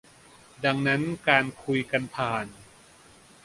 ดังนั้นการคุยกันผ่าน